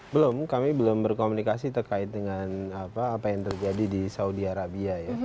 belum kami belum berkomunikasi terkait dengan apa yang terjadi di saudi arabia ya